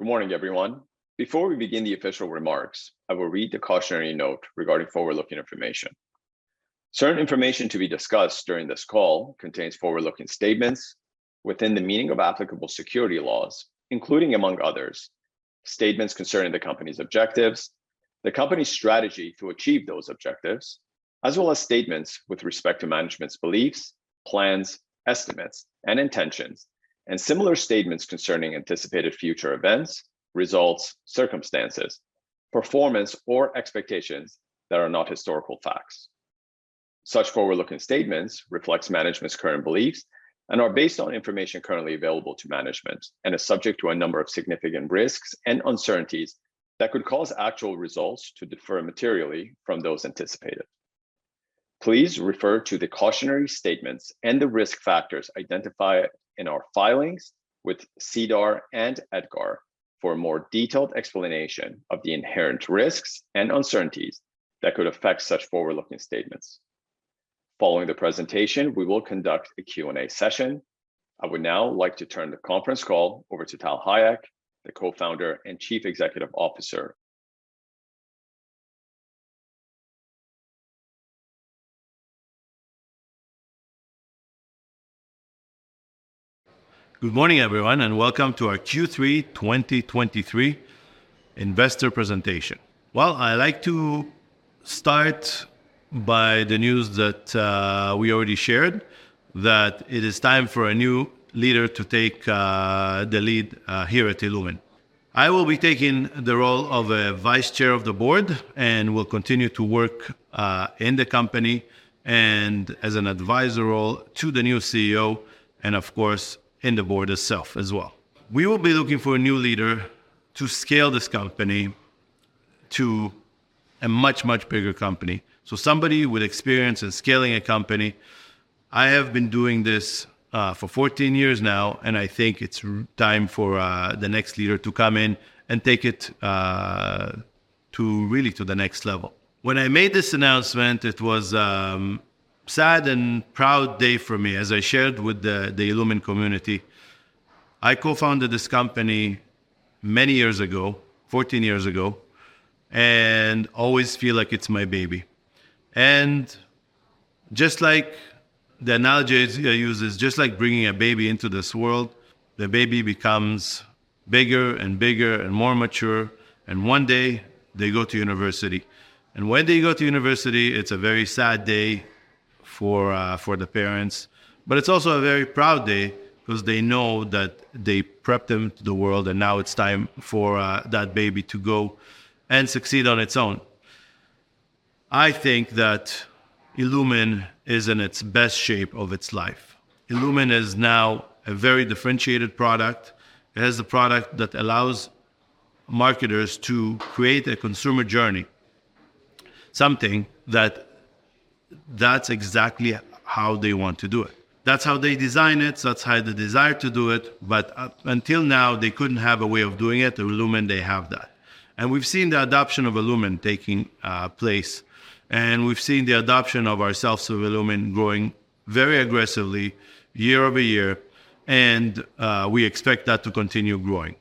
Good morning, everyone. Before we begin the official remarks, I will read the cautionary note regarding forward-looking information. Certain information to be discussed during this call contains forward-looking statements within the meaning of applicable securities laws, including, among others, statements concerning the company's objectives, the company's strategy to achieve those objectives, as well as statements with respect to management's beliefs, plans, estimates, and intentions, and similar statements concerning anticipated future events, results, circumstances, performance, or expectations that are not historical facts. Such forward-looking statements reflects management's current beliefs and are based on information currently available to management and are subject to a number of significant risks and uncertainties that could cause actual results to differ materially from those anticipated. Please refer to the cautionary statements and the risk factors identified in our filings with SEDAR and EDGAR for a more detailed explanation of the inherent risks and uncertainties that could affect such forward-looking statements. Following the presentation, we will conduct a Q&A session. I would now like to turn the conference call over to Tal Hayek, the co-founder and Chief Executive Officer. Good morning, everyone, and welcome to our Q3 2023 investor presentation. Well, I like to start by the news that we already shared, that it is time for a new leader to take the lead here at illumin. I will be taking the role of a vice chair of the board and will continue to work in the company and as an advisor role to the new CEO and, of course, in the board itself as well. We will be looking for a new leader to scale this company to a much, much bigger company, so somebody with experience in scaling a company. I have been doing this for 14 years now, and I think it's time for the next leader to come in and take it to really to the next level. When I made this announcement, it was a sad and proud day for me. As I shared with the illumin community, I co-founded this company many years ago, 14 years ago, and always feel like it's my baby. Just like the analogy I use is, just like bringing a baby into this world, the baby becomes bigger and bigger and more mature, and one day they go to university. And when they go to university, it's a very sad day for the parents, but it's also a very proud day because they know that they prepped them to the world, and now it's time for that baby to go and succeed on its own. I think that illumin is in its best shape of its life. illumin is now a very differentiated product. It has a product that allows marketers to create a consumer journey, something that... That's exactly how they want to do it. That's how they design it, so that's how they desire to do it, but until now, they couldn't have a way of doing it. With illumin, they have that. And we've seen the adoption of illumin taking place, and we've seen the adoption of our self-serve illumin growing very aggressively year-over-year, and we expect that to continue growing.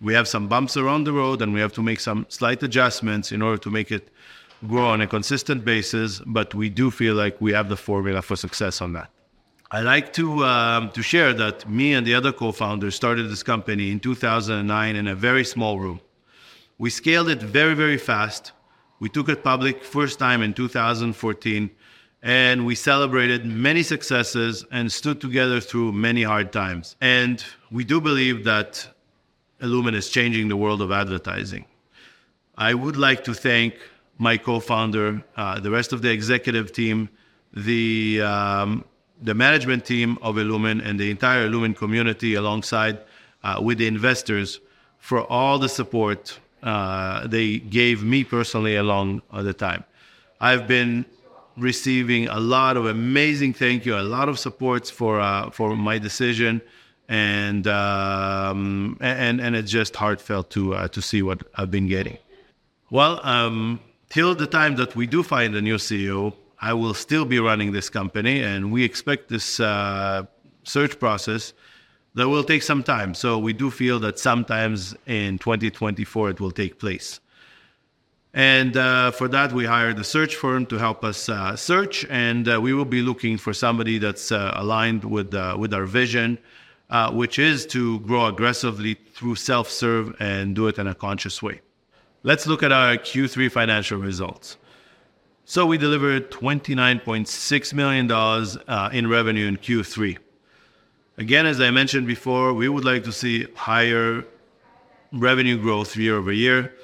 We have some bumps along the road, and we have to make some slight adjustments in order to make it grow on a consistent basis, but we do feel like we have the formula for success on that. I like to share that me and the other co-founders started this company in 2009 in a very small room. We scaled it very, very fast. We took it public first time in 2014, and we celebrated many successes and stood together through many hard times. And we do believe that illumin is changing the world of advertising. I would like to thank my co-founder, the rest of the executive team, the management team of illumin, and the entire illumin community, alongside with the investors, for all the support they gave me personally along the time. I've been receiving a lot of amazing thank you, a lot of supports for my decision, and... and it's just heartfelt to see what I've been getting. Well, till the time that we do find a new CEO, I will still be running this company, and we expect this search process that will take some time. So we do feel that sometimes in 2024 it will take place. And, for that, we hired a search firm to help us search, and we will be looking for somebody that's aligned with our vision, which is to grow aggressively through self-serve and do it in a conscious way. Let's look at our Q3 financial results. So we delivered $29.6 million in revenue in Q3. Again, as I mentioned before, we would like to see higher revenue growth year-over-year.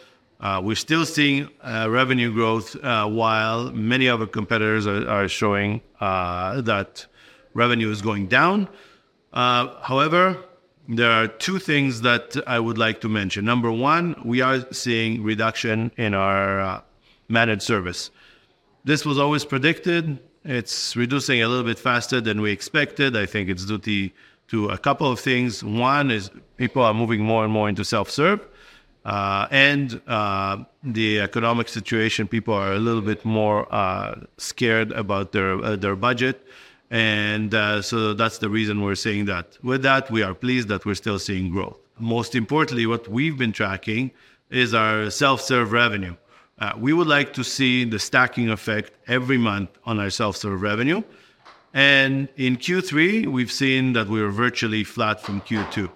We're still seeing revenue growth while many other competitors are showing that revenue is going down. However, there are two things that I would like to mention. Number one, we are seeing reduction in our managed service. This was always predicted. It's reducing a little bit faster than we expected. I think it's due to a couple of things. One is people are moving more and more into self-serve, and the economic situation, people are a little bit more scared about their budget. So that's the reason we're saying that. With that, we are pleased that we're still seeing growth. Most importantly, what we've been tracking is our self-serve revenue. We would like to see the stacking effect every month on our self-serve revenue, and in Q3, we've seen that we're virtually flat from Q2.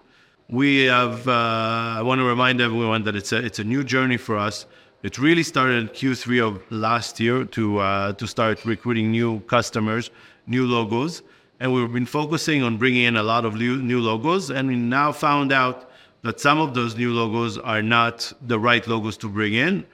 We have. I wanna remind everyone that it's a, it's a new journey for us. It really started in Q3 of last year to start recruiting new customers, new logos, and we've been focusing on bringing in a lot of new logos. We now found out that some of those new logos are not the right logos to bring in.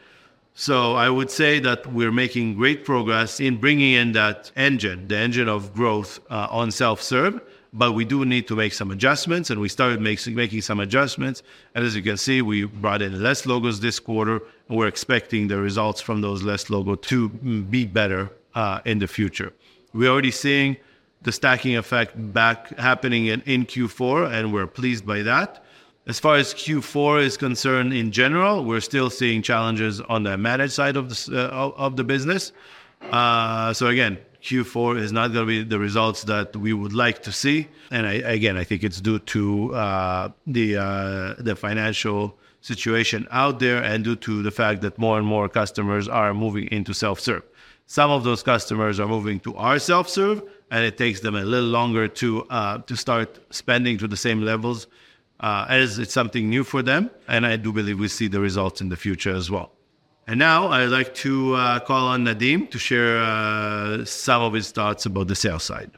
So I would say that we're making great progress in bringing in that engine, the engine of growth, on self-serve, but we do need to make some adjustments, and we started making some adjustments. As you can see, we brought in less logos this quarter, and we're expecting the results from those less logos to be better in the future. We're already seeing the stacking effect back happening in Q4, and we're pleased by that. As far as Q4 is concerned, in general, we're still seeing challenges on the managed side of the business. So again, Q4 is not gonna be the results that we would like to see, and I, again, I think it's due to the financial situation out there and due to the fact that more and more customers are moving into self-serve. Some of those customers are moving to our self-serve, and it takes them a little longer to start spending to the same levels as it's something new for them, and I do believe we'll see the results in the future as well. Now I'd like to call on Nadeem to share some of his thoughts about the sales side.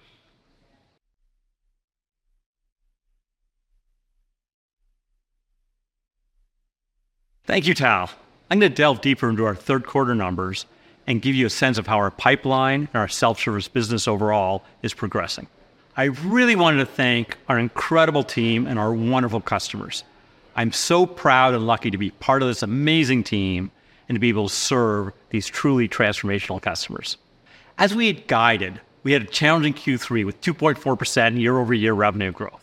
Thank you, Tal. I'm gonna delve deeper into our third quarter numbers and give you a sense of how our pipeline and our self-service business overall is progressing. I really wanted to thank our incredible team and our wonderful customers. I'm so proud and lucky to be part of this amazing team and to be able to serve these truly transformational customers. As we had guided, we had a challenging Q3, with 2.4% year-over-year revenue growth.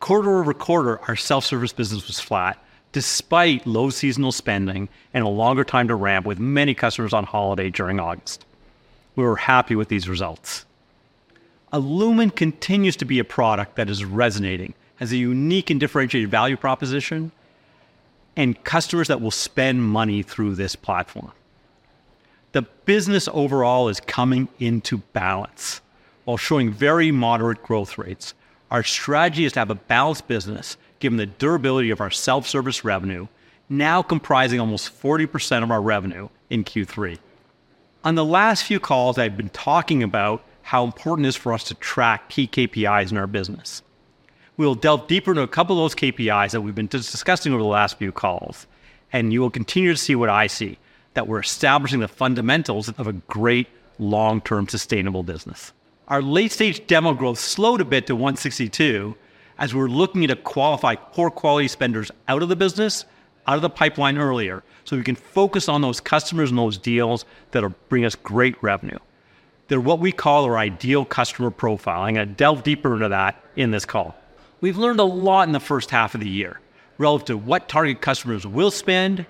Quarter-over-quarter, our self-service business was flat, despite low seasonal spending and a longer time to ramp, with many customers on holiday during August. We were happy with these results. illumin continues to be a product that is resonating, has a unique and differentiated value proposition, and customers that will spend money through this platform. The business overall is coming into balance while showing very moderate growth rates. Our strategy is to have a balanced business, given the durability of our self-service revenue, now comprising almost 40% of our revenue in Q3. On the last few calls, I've been talking about how important it is for us to track key KPIs in our business. We'll delve deeper into a couple of those KPIs that we've been discussing over the last few calls, and you will continue to see what I see, that we're establishing the fundamentals of a great long-term, sustainable business. Our late-stage demo growth slowed a bit to 162, as we're looking to qualify poor quality spenders out of the business, out of the pipeline earlier, so we can focus on those customers and those deals that'll bring us great revenue. They're what we call our ideal customer profile. I'm gonna delve deeper into that in this call. We've learned a lot in the first half of the year relative to what target customers will spend,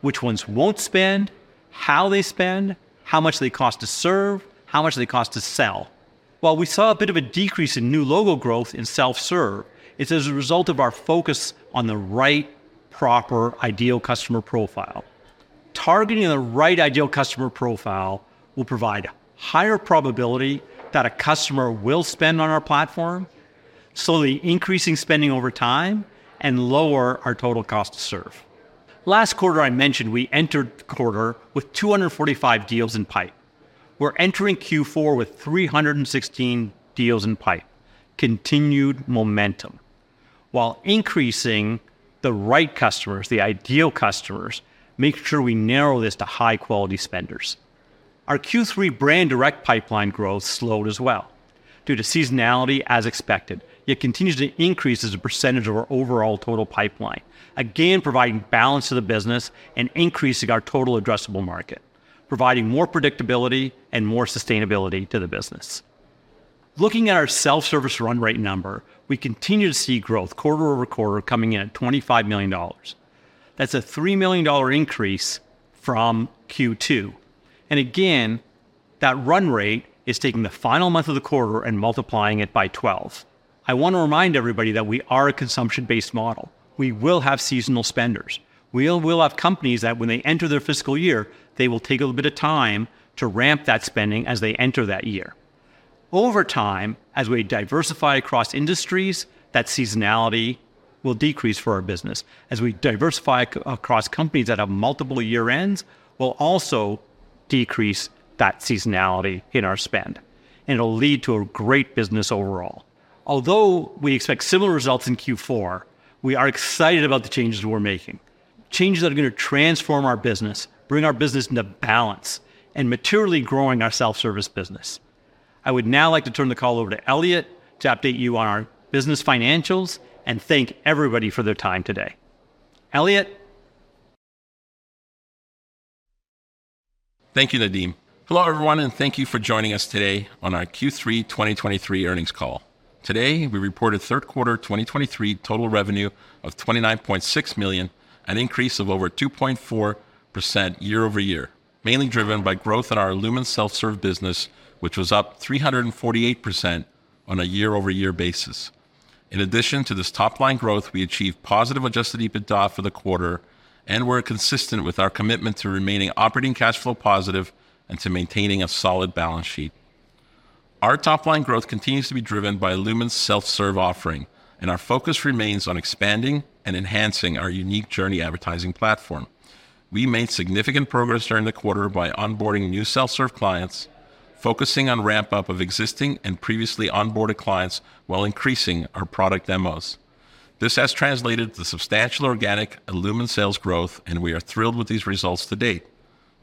which ones won't spend, how they spend, how much they cost to serve, how much they cost to sell. While we saw a bit of a decrease in new logo growth in self-serve, it's as a result of our focus on the right, proper, ideal customer profile. Targeting the right ideal customer profile will provide higher probability that a customer will spend on our platform, slowly increasing spending over time and lower our total cost to serve. Last quarter, I mentioned we entered the quarter with 245 deals in pipe. We're entering Q4 with 316 deals in pipe. Continued momentum, while increasing the right customers, the ideal customers, making sure we narrow this to high-quality spenders. Our Q3 brand direct pipeline growth slowed as well due to seasonality as expected, yet continues to increase as a percentage of our overall total pipeline, again, providing balance to the business and increasing our total addressable market, providing more predictability and more sustainability to the business. Looking at our self-service run rate number, we continue to see growth quarter-over-quarter, coming in at $25 million. That's a $3 million increase from Q2, and again, that run rate is taking the final month of the quarter and multiplying it by 12. I want to remind everybody that we are a consumption-based model. We will have seasonal spenders. We'll, we'll have companies that, when they enter their fiscal year, they will take a little bit of time to ramp that spending as they enter that year. Over time, as we diversify across industries, that seasonality will decrease for our business. As we diversify across companies that have multiple year ends, we'll also decrease that seasonality in our spend, and it'll lead to a great business overall. Although we expect similar results in Q4, we are excited about the changes we're making, changes that are gonna transform our business, bring our business into balance, and materially growing our self-service business. I would now like to turn the call over to Elliot to update you on our business financials and thank everybody for their time today. Elliot?... Thank you, Nadeem. Hello, everyone, and thank you for joining us today on our Q3 2023 earnings call. Today, we reported third quarter 2023 total revenue of $29.6 million, an increase of over 2.4% year-over-year, mainly driven by growth in our illumin self-serve business, which was up 348% on a year-over-year basis. In addition to this top-line growth, we achieved positive Adjusted EBITDA for the quarter and we're consistent with our commitment to remaining operating cash flow positive and to maintaining a solid balance sheet. Our top-line growth continues to be driven by illumin's self-serve offering, and our focus remains on expanding and enhancing our unique journey advertising platform. We made significant progress during the quarter by onboarding new self-serve clients, focusing on ramp-up of existing and previously onboarded clients while increasing our product demos. This has translated to substantial organic illumin sales growth, and we are thrilled with these results to date.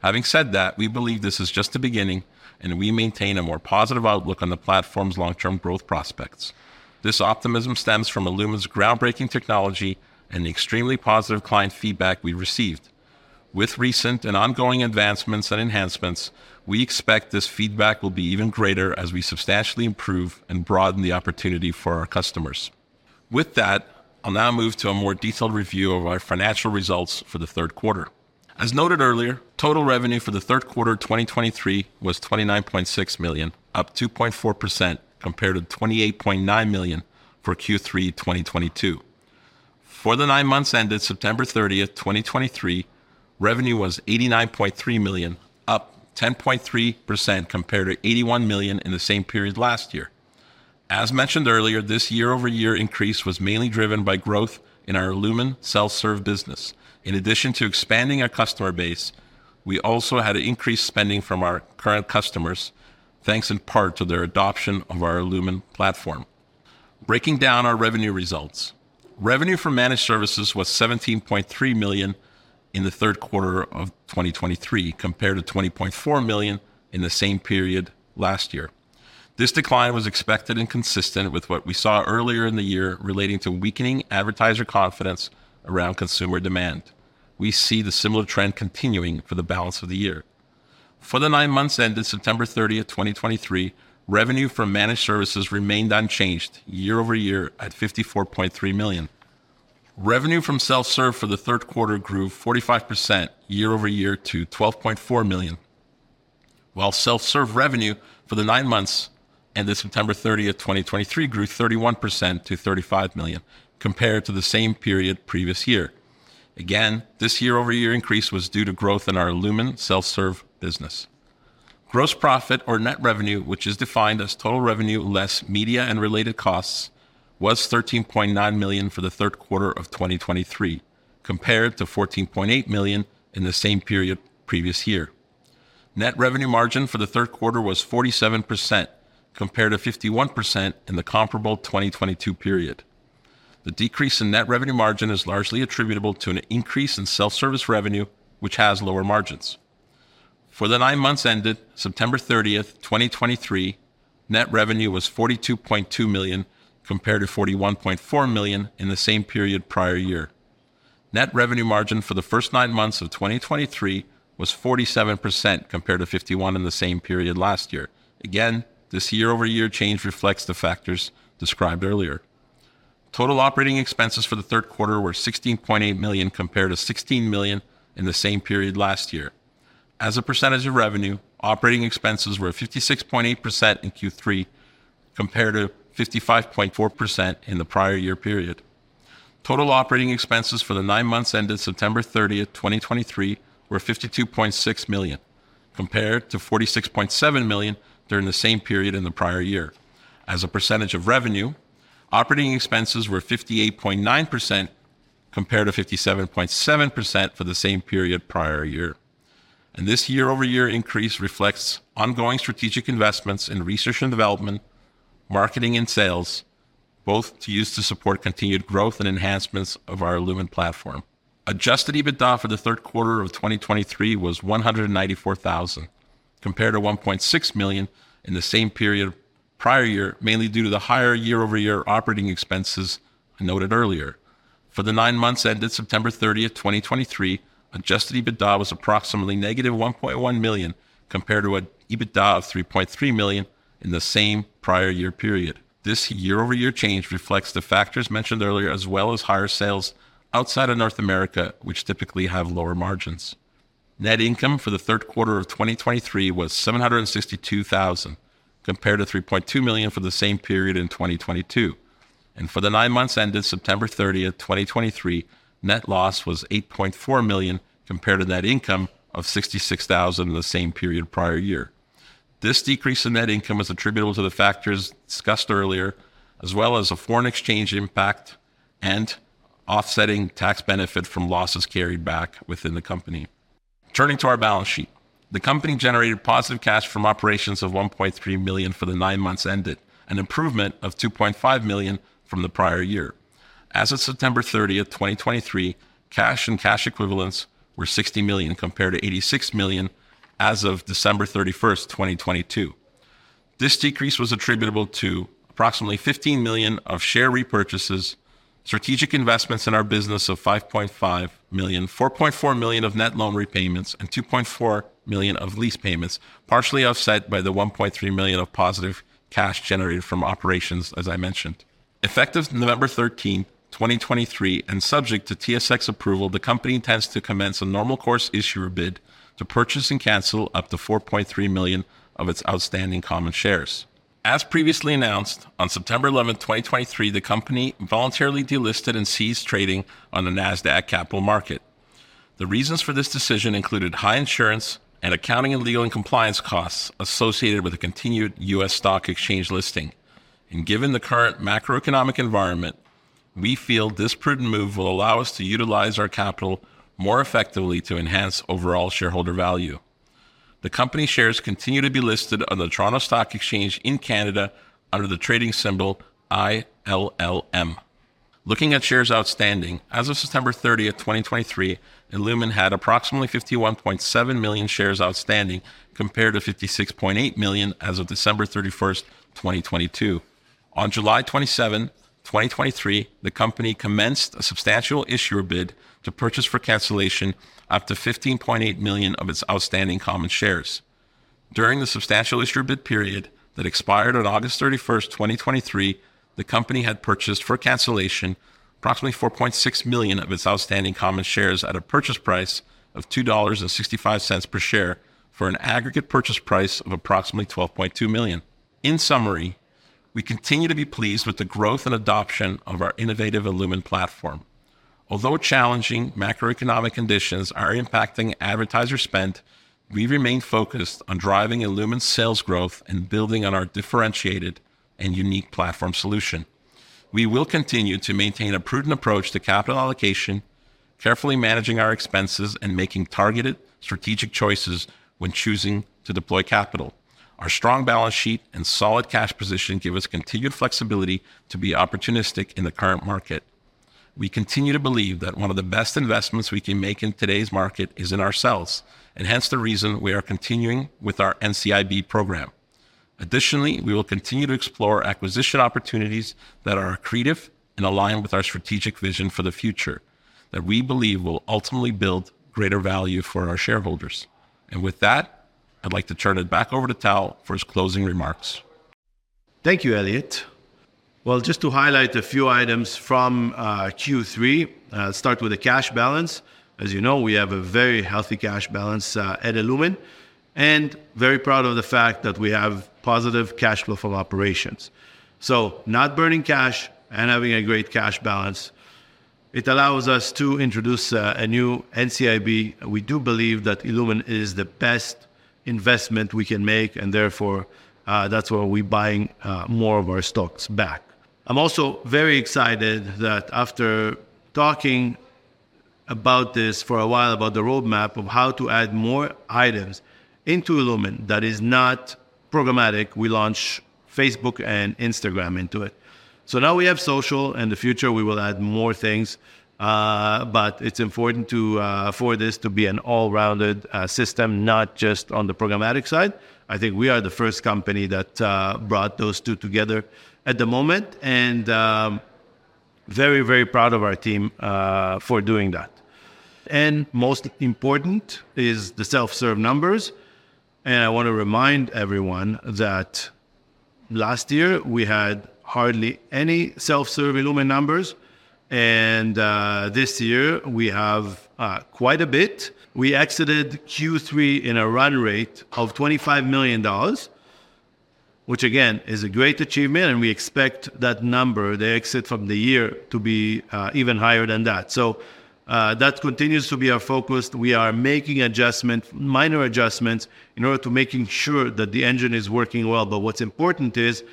Having said that, we believe this is just the beginning, and we maintain a more positive outlook on the platform's long-term growth prospects. This optimism stems from illumin's groundbreaking technology and the extremely positive client feedback we received. With recent and ongoing advancements and enhancements, we expect this feedback will be even greater as we substantially improve and broaden the opportunity for our customers. With that, I'll now move to a more detailed review of our financial results for the third quarter. As noted earlier, total revenue for the third quarter 2023 was $29.6 million, up 2.4% compared to $28.9 million for Q3 2022. For the nine months ended September 30, 2023, revenue was $89.3 million, up 10.3% compared to $81 million in the same period last year. As mentioned earlier, this year-over-year increase was mainly driven by growth in our illumin self-serve business. In addition to expanding our customer base, we also had increased spending from our current customers, thanks in part to their adoption of our illumin platform. Breaking down our revenue results. Revenue from managed services was $17.3 million in the third quarter of 2023, compared to $20.4 million in the same period last year. This decline was expected and consistent with what we saw earlier in the year, relating to weakening advertiser confidence around consumer demand. We see the similar trend continuing for the balance of the year. For the 9 months ended September 30, 2023, revenue from managed services remained unchanged year-over-year at $54.3 million. Revenue from self-serve for the third quarter grew 45% year-over-year to $12.4 million, while self-serve revenue for the 9 months ended September 30, 2023, grew 31% to $35 million compared to the same period previous year. Again, this year-over-year increase was due to growth in our illumin self-serve business. Gross profit or net revenue, which is defined as total revenue less media and related costs, was $13.9 million for the third quarter of 2023, compared to $14.8 million in the same period previous year. Net revenue margin for the third quarter was 47%, compared to 51% in the comparable 2022 period. The decrease in net revenue margin is largely attributable to an increase in self-service revenue, which has lower margins. For the nine months ended September thirtieth, 2023, net revenue was $42.2 million, compared to $41.4 million in the same period prior year. Net revenue margin for the first nine months of 2023 was 47%, compared to 51% in the same period last year. Again, this year-over-year change reflects the factors described earlier. Total operating expenses for the third quarter were $16.8 million, compared to $16 million in the same period last year. As a percentage of revenue, operating expenses were 56.8% in Q3, compared to 55.4% in the prior year period. Total operating expenses for the 9 months ended September 30, 2023, were $52.6 million, compared to $46.7 million during the same period in the prior year. As a percentage of revenue, operating expenses were 58.9%, compared to 57.7% for the same period prior year. And this year-over-year increase reflects ongoing strategic investments in research and development, marketing and sales, both to use to support continued growth and enhancements of our illumin platform. Adjusted EBITDA for the third quarter of 2023 was $194,000, compared to $1.6 million in the same period prior year, mainly due to the higher year-over-year operating expenses I noted earlier. For the 9 months ended September 30, 2023, adjusted EBITDA was approximately -$1.1 million, compared to an EBITDA of $3.3 million in the same prior year period. This year-over-year change reflects the factors mentioned earlier, as well as higher sales outside of North America, which typically have lower margins. Net income for the third quarter of 2023 was $762,000, compared to $3.2 million for the same period in 2022, and for the 9 months ended September 30, 2023, net loss was $8.4 million, compared to net income of $66,000 in the same period prior year. This decrease in net income is attributable to the factors discussed earlier, as well as a foreign exchange impact and offsetting tax benefit from losses carried back within the company. Turning to our balance sheet, the company generated positive cash from operations of $1.3 million for the nine months ended, an improvement of $2.5 million from the prior year. As of September 30, 2023, cash and cash equivalents were $60 million, compared to $86 million as of December 31, 2022. This decrease was attributable to approximately $15 million of share repurchases, strategic investments in our business of $5.5 million, $4.4 million of net loan repayments, and $2.4 million of lease payments, partially offset by the $1.3 million of positive cash generated from operations, as I mentioned. Effective November 13, 2023, and subject to TSX approval, the company intends to commence a normal course issuer bid to purchase and cancel up to 4.3 million of its outstanding common shares. As previously announced, on September 11, 2023, the company voluntarily delisted and ceased trading on the Nasdaq Capital Market. The reasons for this decision included high insurance and accounting, and legal, and compliance costs associated with a continued U.S. stock exchange listing. Given the current macroeconomic environment, we feel this prudent move will allow us to utilize our capital more effectively to enhance overall shareholder value. The company shares continue to be listed on the Toronto Stock Exchange in Canada under the trading symbol ILLM. Looking at shares outstanding, as of September 30, 2023, illumin had approximately 51.7 million shares outstanding, compared to 56.8 million as of December 31, 2022. On July 27, 2023, the company commenced a substantial issuer bid to purchase for cancellation up to 15.8 million of its outstanding common shares. During the Substantial Issuer Bid period that expired on August 31, 2023, the company had purchased for cancellation approximately 4.6 million of its outstanding common shares at a purchase price of 2.65 dollars per share, for an aggregate purchase price of approximately 12.2 million. In summary, we continue to be pleased with the growth and adoption of our innovative illumin platform. Although challenging macroeconomic conditions are impacting advertiser spend, we remain focused on driving illumin's sales growth and building on our differentiated and unique platform solution. We will continue to maintain a prudent approach to capital allocation, carefully managing our expenses, and making targeted strategic choices when choosing to deploy capital. Our strong balance sheet and solid cash position give us continued flexibility to be opportunistic in the current market. We continue to believe that one of the best investments we can make in today's market is in ourselves, and hence the reason we are continuing with our NCIB program. Additionally, we will continue to explore acquisition opportunities that are accretive and align with our strategic vision for the future, that we believe will ultimately build greater value for our shareholders. With that, I'd like to turn it back over to Tal for his closing remarks. Thank you, Elliot. Well, just to highlight a few items from Q3, start with the cash balance. As you know, we have a very healthy cash balance at illumin, and very proud of the fact that we have positive cash flow from operations. So not burning cash and having a great cash balance, it allows us to introduce a new NCIB. We do believe that illumin is the best investment we can make, and therefore, that's why we're buying more of our stocks back. I'm also very excited that after talking about this for a while, about the roadmap of how to add more items into illumin that is not programmatic, we launched Facebook and Instagram into it. So now we have social. In the future, we will add more things, but it's important to, for this to be an all-rounded system, not just on the programmatic side. I think we are the first company that brought those two together at the moment and, very, very proud of our team, for doing that. Most important is the self-serve numbers. I want to remind everyone that last year we had hardly any self-serve illumin numbers, and, this year we have, quite a bit. We exited Q3 in a run rate of $25 million, which again, is a great achievement, and we expect that number, the exit from the year, to be, even higher than that. So, that continues to be our focus. We are making adjustments, minor adjustments, in order to making sure that the engine is working well. But what's important is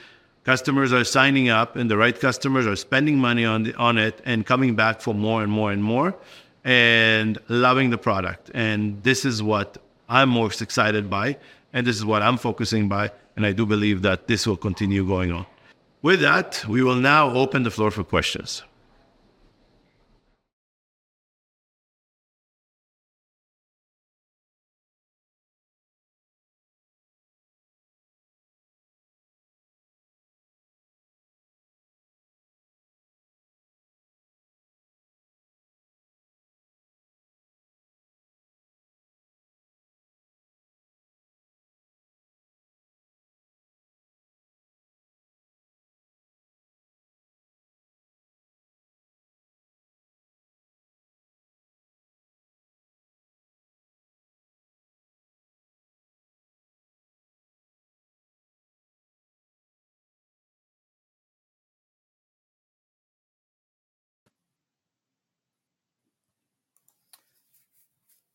customers are signing up, and the right customers are spending money on it and coming back for more and more and more, and loving the product. And this is what I'm most excited by, and this is what I'm focusing by, and I do believe that this will continue going on. With that, we will now open the floor for questions.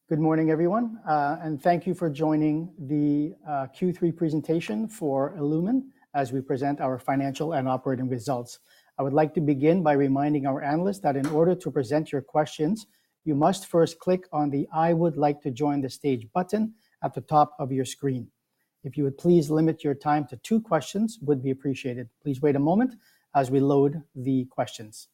Good morning, everyone, and thank you for joining the Q3 presentation for illumin as we present our financial and operating results. I would like to begin by reminding our analysts that in order to present your questions, you must first click on the "I would like to join the stage" button at the top of your screen. If you would please limit your time to two questions, would be appreciated. Please wait a moment as we load the questions.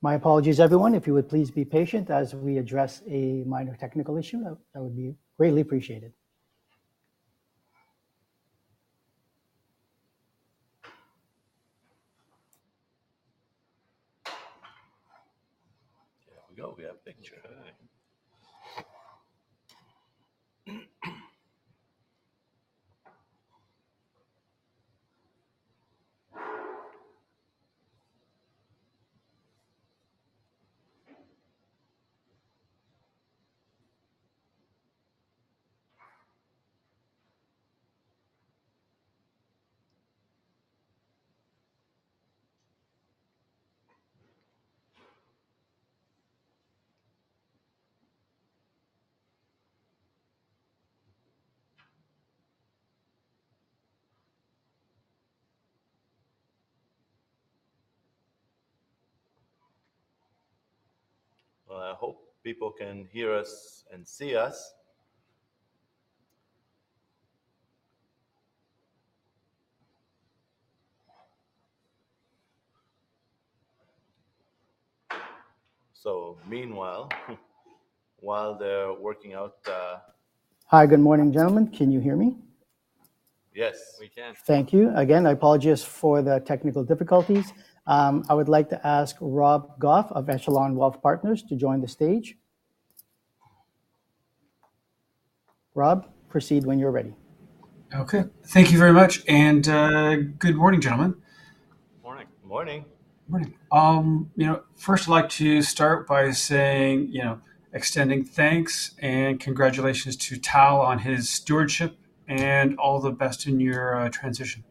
My apologies, everyone. If you would please be patient as we address a minor technical issue, that would be greatly appreciated. There we go. We have picture. Well, I hope people can hear us and see us. So meanwhile, while they're working out the- Hi, good morning, gentlemen. Can you hear me? Yes, we can. Thank you. Again, I apologize for the technical difficulties. I would like to ask Rob Goff of Echelon Wealth Partners to join the stage. Rob, proceed when you're ready. Okay. Thank you very much, and good morning, gentlemen. Morning. Morning. Morning. You know, first I'd like to start by saying, you know, extending thanks and congratulations to Tal on his stewardship, and all the best in your transition.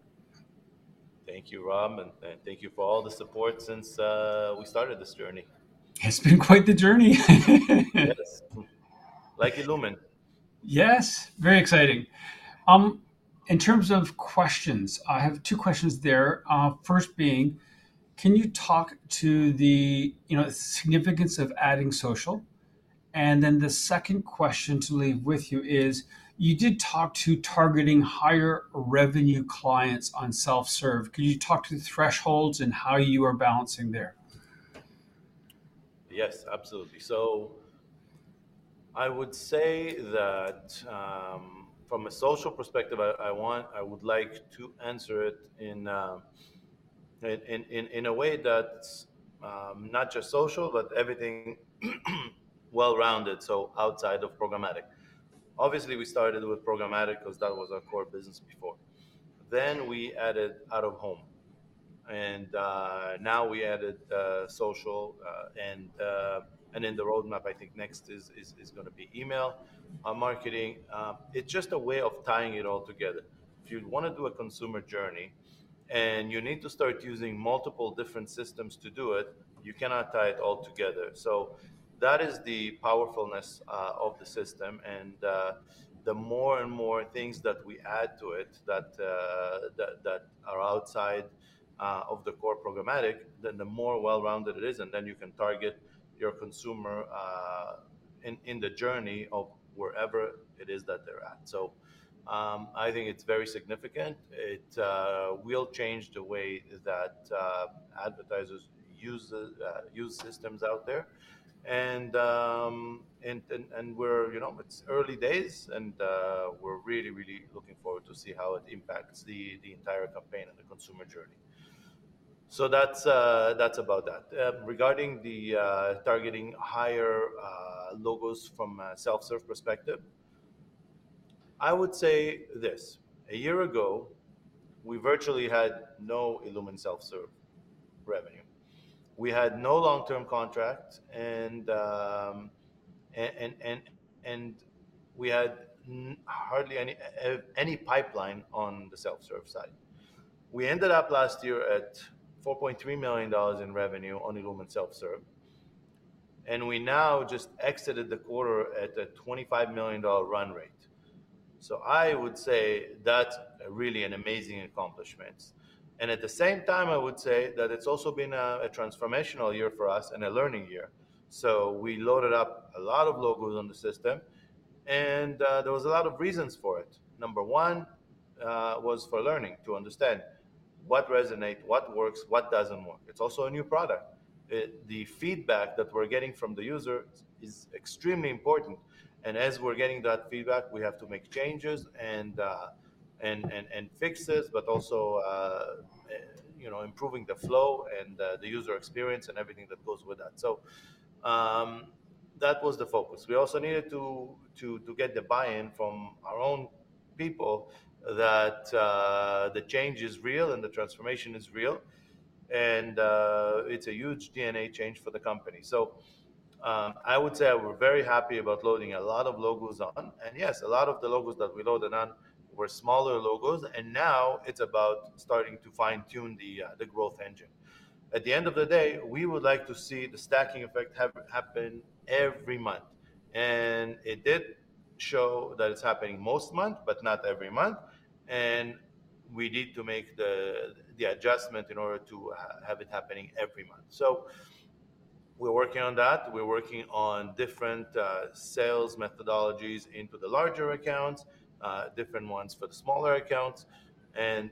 Thank you, Rob, and thank you for all the support since we started this journey. It's been quite the journey. Yes. Like illumin. Yes, very exciting. In terms of questions, I have two questions there. First being: can you talk to the, you know, significance of adding social? And then the second question to leave with you is, you did talk to targeting higher revenue clients on self-serve. Can you talk to the thresholds and how you are balancing there? Yes, absolutely. So I would say that from a social perspective, I would like to answer it in a way that's not just social, but everything well-rounded, so outside of programmatic. Obviously, we started with programmatic 'cause that was our core business before. Then we added out-of-home, and now we added social, and in the roadmap, I think next is gonna be email marketing. It's just a way of tying it all together. If you'd wanna do a consumer journey, and you need to start using multiple different systems to do it, you cannot tie it all together. So that is the powerfulness of the system, and the more and more things that we add to it that are outside of the core programmatic, then the more well-rounded it is, and then you can target your consumer in the journey of wherever it is that they're at. So I think it's very significant. It will change the way that advertisers use systems out there. And we're... You know, it's early days, and we're really, really looking forward to see how it impacts the entire campaign and the consumer journey. So that's about that. Regarding the targeting higher logos from a self-serve perspective, I would say this: a year ago, we virtually had no illumin self-serve revenue. We had no long-term contracts, and and we had hardly any pipeline on the self-serve side. We ended up last year at $4.3 million in revenue on illumin self-serve, and we now just exited the quarter at a $25 million run rate. So I would say that's really an amazing accomplishment. And at the same time, I would say that it's also been a transformational year for us and a learning year. So we loaded up a lot of logos on the system, and there was a lot of reasons for it. Number one was for learning, to understand what resonate, what works, what doesn't work. It's also a new product. The feedback that we're getting from the user is extremely important, and as we're getting that feedback, we have to make changes and fixes, but also, you know, improving the flow and the user experience and everything that goes with that. So, that was the focus. We also needed to get the buy-in from our own people that the change is real and the transformation is real, and it's a huge DNA change for the company. So, I would say we're very happy about loading a lot of logos on, and yes, a lot of the logos that we loaded on were smaller logos, and now it's about starting to fine-tune the growth engine. At the end of the day, we would like to see the Stacking Effect happen every month, and it did show that it's happening most months, but not every month, and we need to make the adjustment in order to have it happening every month. So we're working on that. We're working on different sales methodologies into the larger accounts, different ones for the smaller accounts and,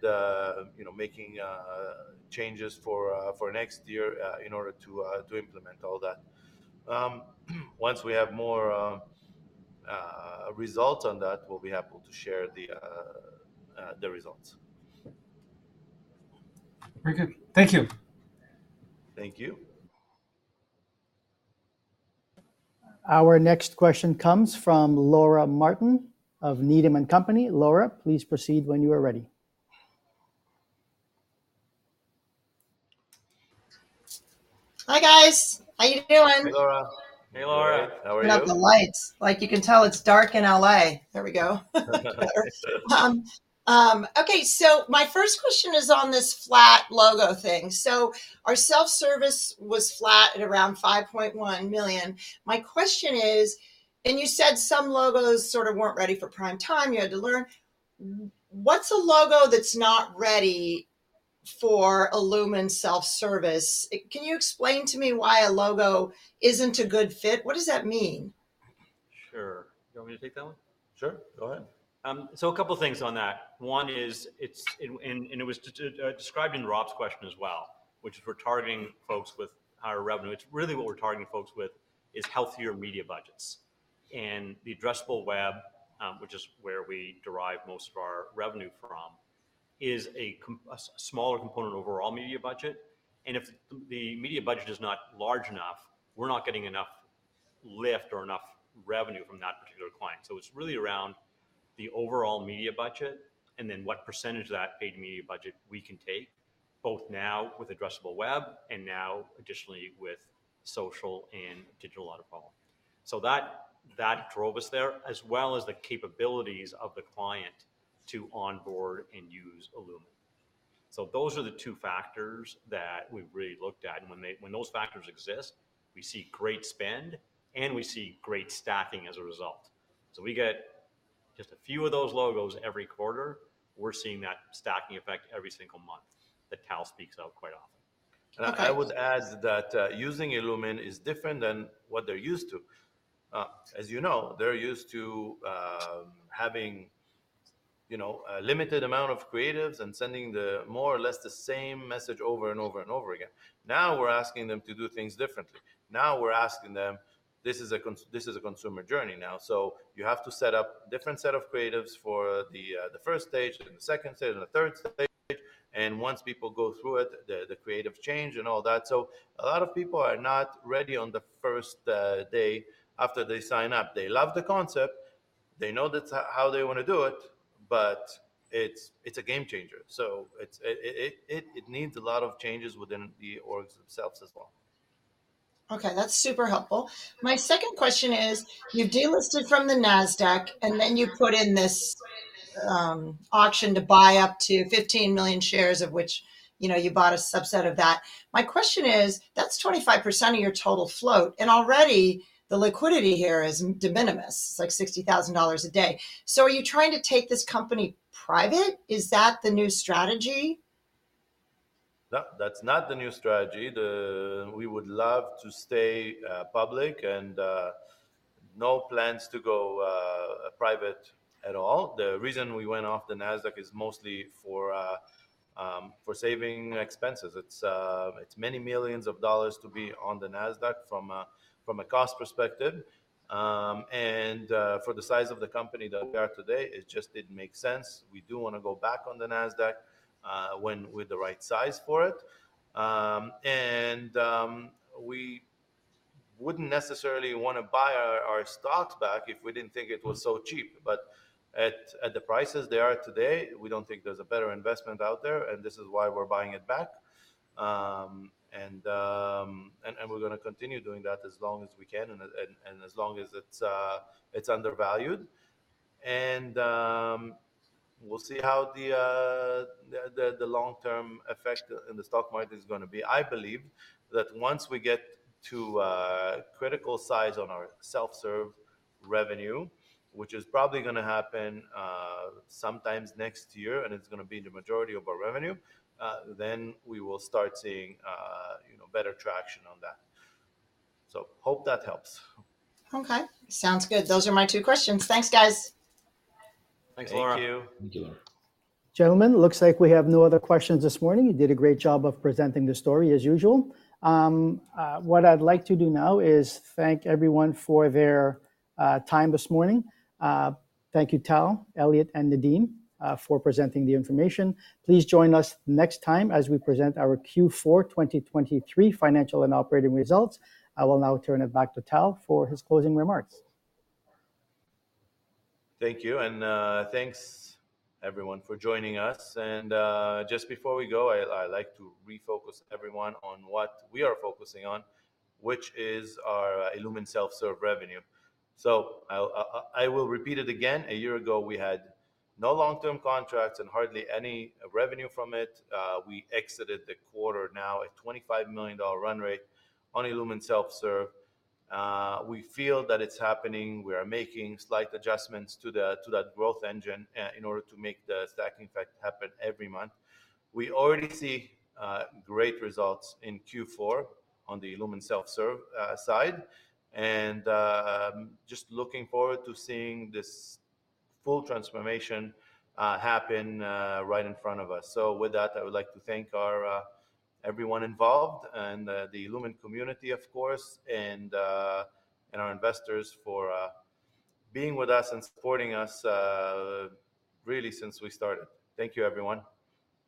you know, making changes for next year in order to implement all that. Once we have more results on that, we'll be happy to share the results. Very good. Thank you. Thank you. Our next question comes from Laura Martin of Needham & Company. Laura, please proceed when you are ready. Hi, guys. How are you doing? Hey, Laura. Hey, Laura. Hey, how are you? I got the lights. Like you can tell, it's dark in L.A. There we go. Okay, so my first question is on this flat logo thing. So our self-service was flat at around $5.1 million. My question is, and you said some logos sort of weren't ready for prime time, you had to learn. What's a logo that's not ready for illumin self-service? It can you explain to me why a logo isn't a good fit? What does that mean? Sure. You want me to take that one? Sure, go ahead. So a couple of things on that. One is, it's described in Rob's question as well, which is we're targeting folks with higher revenue. It's really what we're targeting folks with is healthier media budgets. And the addressable web, which is where we derive most of our revenue from, is a smaller component of overall media budget, and if the media budget is not large enough, we're not getting enough lift or enough revenue from that particular client. So it's really around the overall media budget and then what percentage of that paid media budget we can take, both now with addressable web and now additionally with social and digital out-of-home. So that drove us there, as well as the capabilities of the client to onboard and use illumin. So those are the two factors that we've really looked at, and when those factors exist, we see great spend, and we see great stacking as a result. So we get just a few of those logos every quarter, we're seeing that stacking effect every single month, that Tal speaks of quite often. Okay. I would add that using illumin is different than what they're used to. As you know, they're used to having, you know, a limited amount of creatives and sending the more or less the same message over and over and over again. Now, we're asking them to do things differently. Now, we're asking them, this is a consumer journey now, so you have to set up different set of creatives for the first stage, then the second stage, and the third stage, and once people go through it, the creative change and all that. So a lot of people are not ready on the first day after they sign up. They love the concept, they know that's how they wanna do it, but it's a game changer. So it needs a lot of changes within the orgs themselves as well. Okay, that's super helpful. My second question is, you delisted from the Nasdaq, and then you put in this auction to buy up to 15 million shares, of which, you know, you bought a subset of that. My question is, that's 25% of your total float, and already the liquidity here is de minimis, like $60,000 a day. So are you trying to take this company private? Is that the new strategy? No, that's not the new strategy. We would love to stay public and no plans to go private at all. The reason we went off the Nasdaq is mostly for saving expenses. It's many millions of dollars to be on the Nasdaq from a cost perspective, and for the size of the company that we are today, it just didn't make sense. We do wanna go back on the Nasdaq when we're the right size for it. And we wouldn't necessarily wanna buy our stocks back if we didn't think it was so cheap. But at the prices they are today, we don't think there's a better investment out there, and this is why we're buying it back. And we're gonna continue doing that as long as we can and as long as it's undervalued. And we'll see how the long-term effect in the stock market is gonna be. I believe that once we get to critical size on our self-serve revenue, which is probably gonna happen sometimes next year, and it's gonna be the majority of our revenue, then we will start seeing you know, better traction on that. So hope that helps. Okay, sounds good. Those are my two questions. Thanks, guys. Thanks, Laura. Thank you. Thank you, Laura. Gentlemen, looks like we have no other questions this morning. You did a great job of presenting the story, as usual. What I'd like to do now is thank everyone for their time this morning. Thank you, Tal, Elliot, and Nadeem, for presenting the information. Please join us next time as we present our Q4 2023 financial and operating results. I will now turn it back to Tal for his closing remarks. Thank you, and, thanks everyone for joining us. Just before we go, I'd like to refocus everyone on what we are focusing on, which is our illumin self-serve revenue. So I'll, I, I will repeat it again. A year ago, we had no long-term contracts and hardly any revenue from it. We exited the quarter now at $25 million run rate on illumin self-serve. We feel that it's happening. We are making slight adjustments to that growth engine, in order to make the stacking effect happen every month. We already see great results in Q4 on the illumin self-serve side, and just looking forward to seeing this full transformation happen right in front of us. So with that, I would like to thank our, everyone involved and the illumin community, of course, and our investors for being with us and supporting us, really since we started. Thank you, everyone.